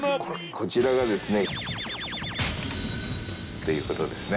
こちらがですねっていうことですね。